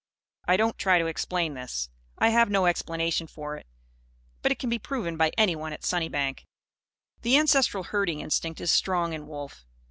I don't try to explain this. I have no explanation for it. But it can be proven by anyone at Sunnybank. The ancestral herding instinct is strong in Wolf.